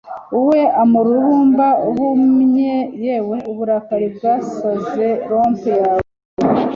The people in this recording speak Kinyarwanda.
Ewe umururumba uhumye yewe uburakari bwasaze romp yawe